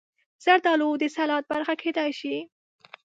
زردالو د سلاد برخه کېدای شي.